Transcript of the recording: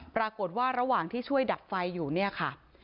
ปรากฏว่าระหว่างที่ช่วยดับไฟอยู่เนี่ยค่ะ